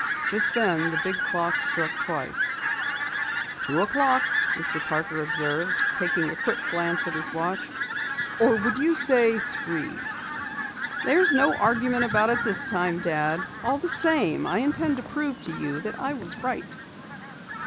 Just then the big clock struck twice. "Two o'clock," Mr. Parker observed, taking a quick glance at his watch. "Or would you say three?" "There's no argument about it this time, Dad. All the same, I intend to prove to you that I was right!"